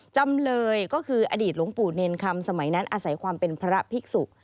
จำเลยก็คืออดีตหลวงปู่เนรคำสมัยนั้นอาศัยความเป็นพระภิกษุ